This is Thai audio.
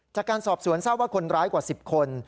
จากการสอบสวนทราบว่าคนร้ายกว่า๑๐คน